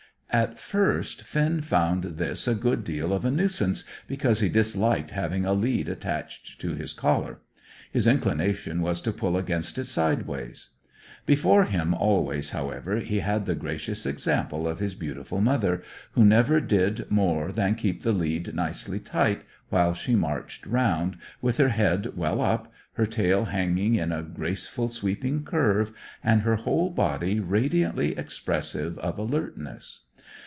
At first Finn found this a good deal of a nuisance, because he disliked having a lead attached to his collar; his inclination was to pull against it sideways. Before him always, however, he had the gracious example of his beautiful mother, who never did more than keep the lead nicely tight while she marched round, with her head well up, her tail hanging in a graceful sweeping curve, and her whole body radiantly expressive of alertness.